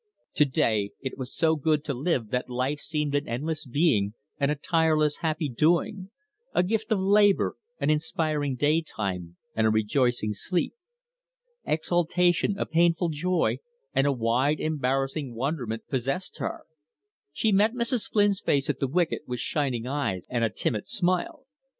To day it was so good to live that life seemed an endless being and a tireless happy doing a gift of labour, an inspiring daytime, and a rejoicing sleep. Exaltation, a painful joy, and a wide embarrassing wonderment possessed her. She met Mrs. Flynn's face at the wicket with shining eyes and a timid smile.